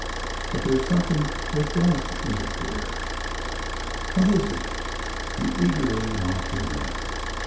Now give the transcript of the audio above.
But there s something that does interfere!" "What is it?" he eagerly wanted to know.